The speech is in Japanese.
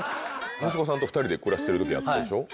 息子さんと２人で暮らしてる時あったでしょう